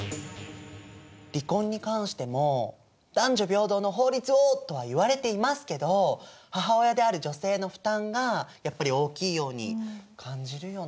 離婚に関しても男女平等の法律をとは言われていますけど母親である女性の負担がやっぱり大きいように感じるよね。